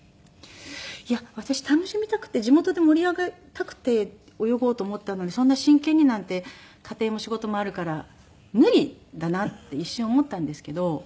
いや私楽しみたくて地元で盛り上がりたくて泳ごうと思ったのにそんな真剣になんて家庭も仕事もあるから無理だなって一瞬思ったんですけど。